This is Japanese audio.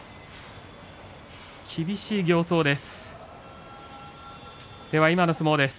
厳しい形相です。